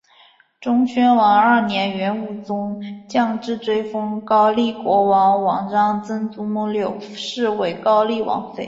忠宣王二年元武宗降制追封高丽国王王璋曾祖母柳氏为高丽王妃。